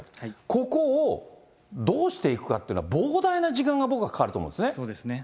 ここをどうしていくかっていうのは、膨大な時間が僕はかかると思うんですね。